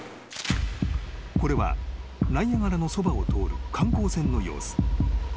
［これはナイアガラのそばを通る観光船の様子］